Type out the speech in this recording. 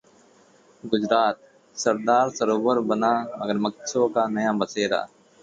गुजरात: सरदार सरोवर बना मगरमच्छों का नया बसेरा